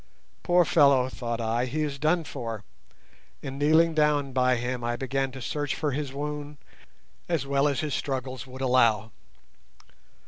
Poor fellow! thought I, he is done for, and kneeling down by him I began to search for his wound as well as his struggles would allow.